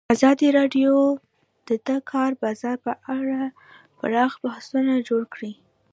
ازادي راډیو د د کار بازار په اړه پراخ بحثونه جوړ کړي.